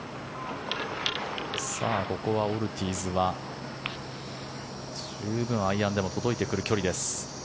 ここはオルティーズは十分アイアンでも届いてくる距離です。